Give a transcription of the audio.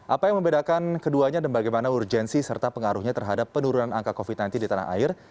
apa yang membedakan keduanya dan bagaimana urgensi serta pengaruhnya terhadap penurunan angka covid sembilan belas di tanah air